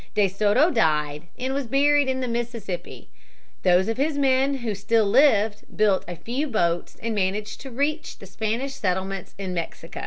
De Soto died and was buried in the Mississippi. Those of his men who still lived built a few boats and managed to reach the Spanish settlements in Mexico.